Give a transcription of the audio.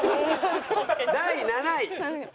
第７位。